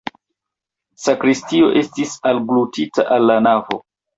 Sakristio estis alglutita al la navo.